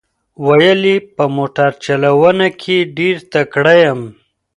ویل یې په موټر چلونه کې ډېر تکړه یم.